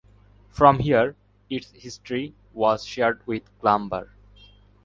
From here its history was shared with Clumber.